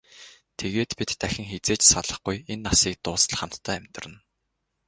Тэгээд бид дахин хэзээ ч салахгүй, энэ насыг дуустал хамтдаа амьдарна.